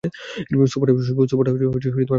সোফাটা বেশ ভালো লেগেছে।